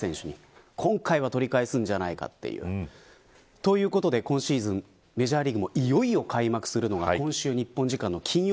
ということで今シーズンメジャーリーグもいよいよ開幕するのが日本時間の今週